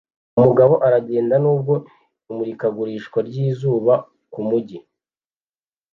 Umugabo aragenda nubwo imurikagurisha ryizuba kumujyi